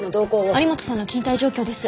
有本さんの勤怠状況です。